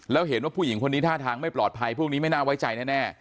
แล้วเห็นว่าผู้หญิงคนนี้ท่าทางไม่ปลอดภัยพวกนี้ไม่น่าไว้ใจแน่